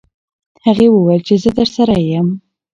هغې وویل چې زه درسره یم.